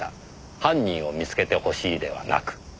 犯人を見つけてほしいではなく。